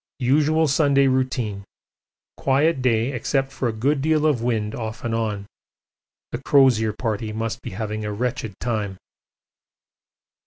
Usual Sunday routine. Quiet day except for a good deal of wind off and on. The Crozier Party must be having a wretched time.